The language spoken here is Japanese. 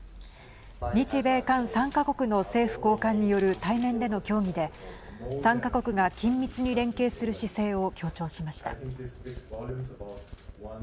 日米韓、３か国の政府高官による対面での協議で３か国が緊密に連携する姿勢を強調しました。